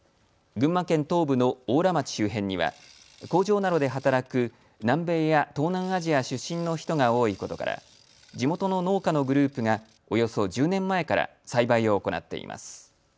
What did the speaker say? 群馬県東部の邑楽町周辺には工場などで働く南米や東南アジア出身の人が多いことから地元の農家のグループがおよそ１０年前から栽培を行っています。